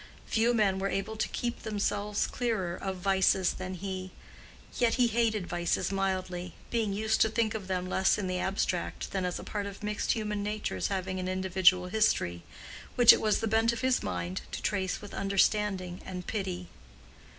Few men were able to keep themselves clearer of vices than he; yet he hated vices mildly, being used to think of them less in the abstract than as a part of mixed human natures having an individual history, which it was the bent of his mind to trace with understanding and pity.